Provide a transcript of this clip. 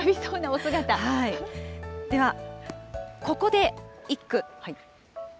では、ここで一句。